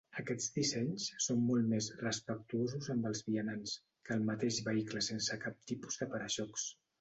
Aquests dissenys són molt més "respectuosos amb els vianants" que el mateix vehicle sense cap tipus de para-xocs.